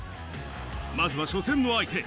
まずは初戦の相手。